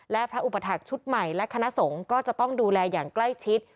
และพระอุปถักษ์ชุดใหม่และคณะสงฆ์ก็จะต้องดูแลอย่างใกล้ชิด